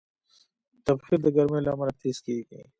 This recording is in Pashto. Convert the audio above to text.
تبخیر د ګرمۍ له امله تېز کېږي.